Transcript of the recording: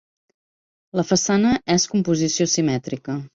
La façana és composició simètrica.